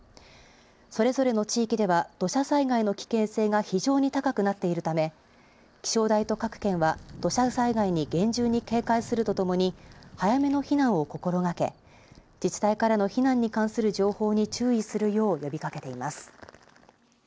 それぞれの地域では土砂災害の危険性が非常に高くなっているため、気象台と各県は土砂災害に厳重に警戒するとともに、早めの避難を心がけ、自治体から避難に関する情報に注意するよう呼びかけています。